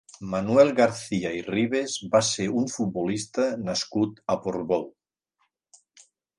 Manuel Garcia i Ribes va ser un futbolista nascut a Portbou.